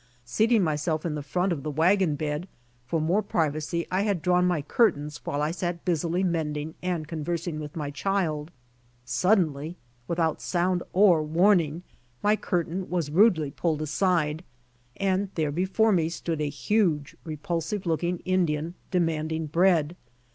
Seat ing myself in the front of the wagon bed, for more privacy I had drawn my curtains while I sat busily mending and conversing with my child. Suddenly, without sound or warning, my curtain was rudely pulled aside and there before me stood a huge, repul sive looking Indian demanding bread.